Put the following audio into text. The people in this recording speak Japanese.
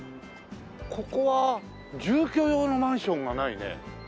ここは住居用のマンションがないね。